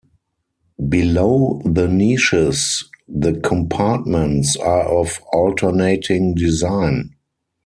Below the niches, the compartments are of alternating design.